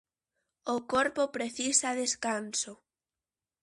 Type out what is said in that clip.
O corpo precisa descanso.